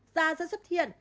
da sẽ xuất hiện